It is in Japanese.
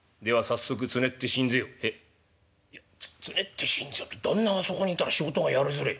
「へっ？いやつねってしんぜよって旦那がそこにいたら仕事がやりづれえ」。